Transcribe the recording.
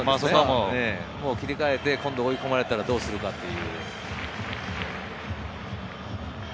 切り替えて、追い込まれたらどうするかという。